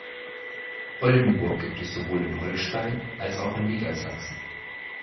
Oldenburg gibt es sowohl in Holstein, als auch in Niedersachsen.